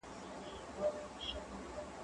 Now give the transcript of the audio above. زه اوږده وخت لوښي وچوم وم!.